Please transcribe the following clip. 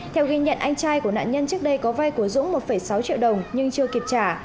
theo ghi nhận anh trai của nạn nhân trước đây có vai của dũng một sáu triệu đồng nhưng chưa kịp trả